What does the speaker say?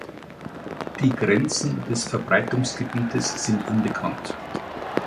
Die Grenzen des Verbreitungsgebietes sind unbekannt.